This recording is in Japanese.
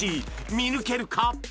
見抜けるか？